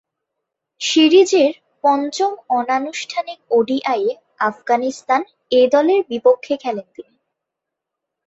সিরিজের পঞ্চম অনানুষ্ঠানিক ওডিআইয়ে আফগানিস্তান এ-দলের বিপক্ষে খেলেন তিনি।